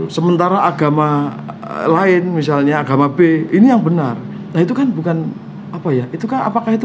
sementara agama lain misalnya agama b ini yang benar nah itu kan bukan apa ya itu kan apakah itu